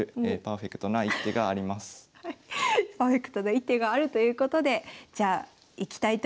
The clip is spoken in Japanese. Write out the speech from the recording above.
ここでパーフェクトな一手があるということでじゃあいきたいと思います。